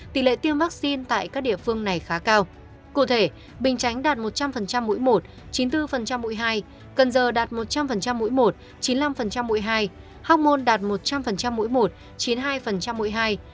tỷ lệ tiêm vaccine tại các địa phương này khá cao cụ thể bình chánh đạt một trăm linh mũi một chín mươi bốn mũi hai cần giờ đạt một trăm linh mũi một chín mươi năm mũi hai hóc môn đạt một trăm linh mũi một chiếm hai mũi hai